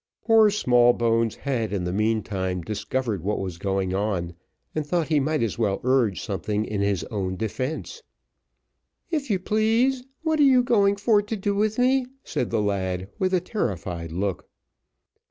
Poor Smallbones had, in the meantime, discovered what was going on, and thought that he might as well urge something in his own defence. "If you please, what are you going for to do with me?" said the lad, with a terrified look.